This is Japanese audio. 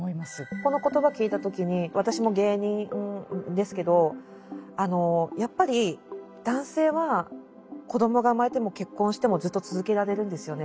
この言葉聞いた時に私も芸人ですけどやっぱり男性は子供が生まれても結婚してもずっと続けられるんですよね。